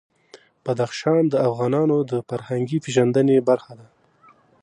بدخشان د افغانانو د فرهنګي پیژندنې برخه ده.